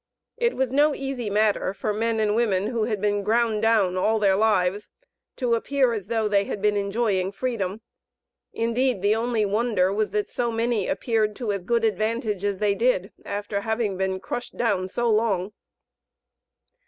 It was no easy matter for men and women who had been ground down all their lives, to appear as though they had been enjoying freedom. Indeed, the only wonder was that so many appeared to as good advantage as they did, after having been crushed down so long.